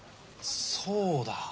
そうだ。